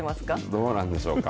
どうなんでしょうか。